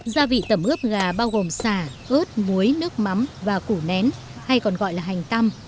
gia vị tẩm ướp gà bao gồm xà ướt muối nước mắm và củ nén hay còn gọi là hành tăm